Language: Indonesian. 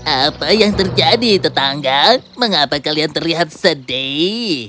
apa yang terjadi tetangga mengapa kalian terlihat sedih